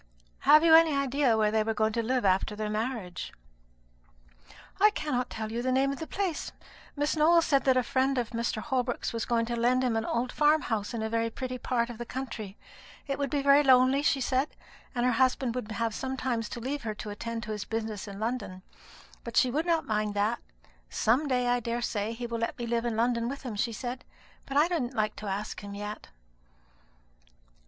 "Have you any idea where they were going to live after their marriage?" "I cannot tell you the name of the place. Miss Nowell said that a friend of Mr. Holbrook's was going to lend him an old farm house in a very pretty part of the country. It would be very lonely, she said, and her husband would have sometimes to leave her to attend to his business in London; but she would not mind that. 'Some day, I daresay, he will let me live in London with him,' she said; 'but I don't like to ask him that yet.'"